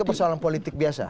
itu persoalan politik biasa